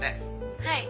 はい。